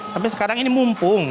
tapi sekarang ini mumpung